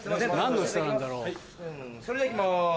それではいきます